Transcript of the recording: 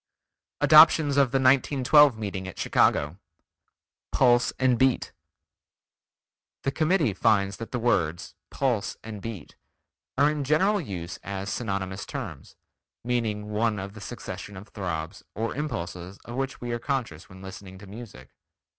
ADOPTIONS OF THE 1912 MEETING AT CHICAGO Pulse and Beat The Committee finds that the words: Pulse and Beat are in general use as synonymous terms, meaning one of the succession of throbs or impulses of which we are conscious when listening to music.